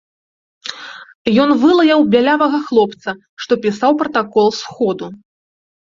Ён вылаяў бялявага хлопца, што пісаў пратакол сходу.